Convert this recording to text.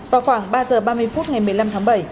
vào khoảng ba h ba mươi phút ngày một mươi năm tháng bảy